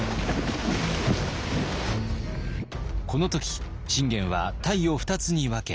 この時信玄は隊を２つに分け